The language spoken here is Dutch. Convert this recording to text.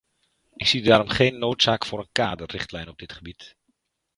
Ik zie daarom geen noodzaak voor een kaderrichtlijn op dit gebied.